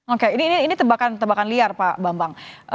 oke ini tebakan tebakan liar pak bambang